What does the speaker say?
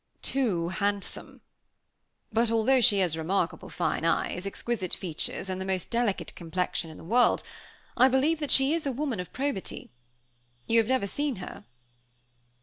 "Too handsome. But although she has remarkable fine eyes, exquisite features, and the most delicate complexion in the world, I believe that she is a woman of probity. You have never seen her?"